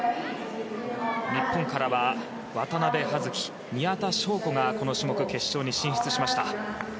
日本からは渡部葉月、宮田笙子がこの種目、決勝に進出しました。